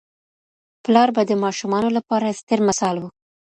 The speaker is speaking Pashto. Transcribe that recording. پلار به د ماشومانو لپاره ستر مثال و.